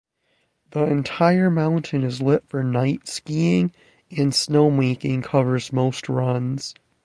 The entire mountain is lit for night skiing, and snowmaking covers most runs.